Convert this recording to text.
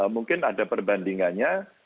mungkin ada perbandingannya